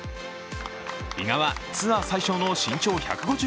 比嘉は、ツアー最小の身長１５８ｃｍ。